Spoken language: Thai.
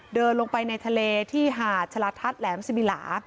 เดินลงไปในทะเลที่หาดชะลาทัศน์แหลมสิมิลา